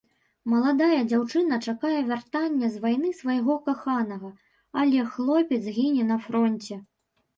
Маладая дзяўчына чакае вяртання з вайны свайго каханага, але хлопец гіне на фронце.